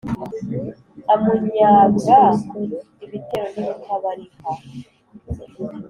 amunyaga ibitero n’ibitabarika